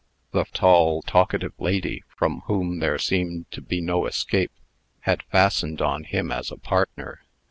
The tall, talkative lady, from whom there seemed to be no escape, had fastened on him as a partner.